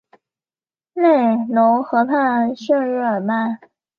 勒农河畔圣日耳曼。